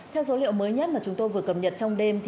theo số liệu mới nhất mà chúng tôi vừa cập nhật trong đêm